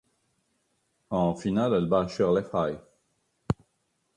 En finale, elle bat Shirley Fry.